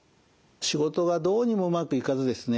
仕事がどうにもうまくいかずですね